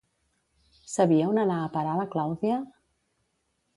Sabia on anar a parar la Clàudia?